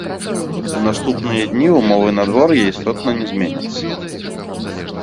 У наступныя дні ўмовы надвор'я істотна не зменяцца.